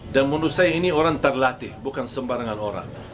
dan menurut saya ini orang terlatih bukan sembarangan orang